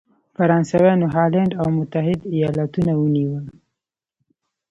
فرانسویانو هالنډ او متحد ایالتونه ونیولې.